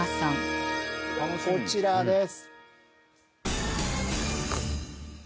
こちらです。